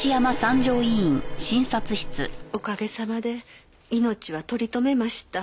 おかげさまで命は取り留めました。